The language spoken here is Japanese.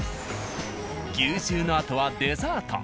牛重のあとはデザート。